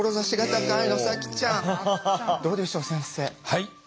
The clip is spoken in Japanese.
はい。